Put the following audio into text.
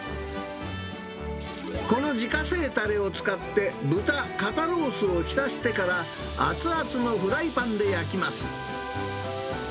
この自家製たれを使って、豚肩ロースをひたしてから熱々のフライパンで焼きます。